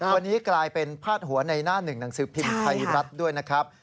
วันนี้กลายเป็นพาดหัวในหน้าหนึ่งหนังสือพิมพ์ไทยรัฐด้วยนะครับ